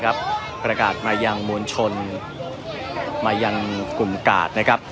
การประตูกรมทหารที่สิบเอ็ดเป็นภาพสดขนาดนี้นะครับ